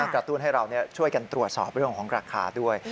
กระตุ้นให้เราช่วยกันตรวจสอบเรื่องของราคาด้วย